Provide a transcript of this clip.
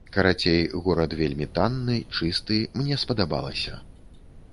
Карацей, горад вельмі танны, чысты, мне спадабалася.